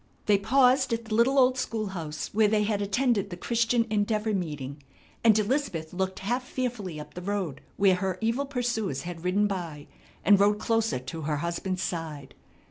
They paused at the little old school house where they had attended the Christian Endeavor meeting, and Elizabeth looked half fearfully up the road where her evil pursuers had ridden by, and rode closer to her husband's side.